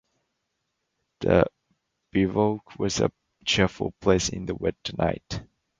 The bivouac was a cheerful place in the wet night.